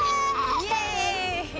イエイ！